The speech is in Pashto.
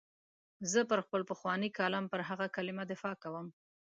زه پر خپل پخواني کالم پر هره کلمه دفاع کوم.